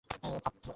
ফাত্ত্রামি? "